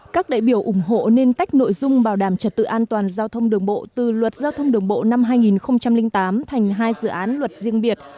các đại biểu ủng hộ nên tách nội dung bảo đảm trật tự an toàn giao thông đường bộ từ luật giao thông đường bộ năm hai nghìn tám thành hai dự án luật riêng biệt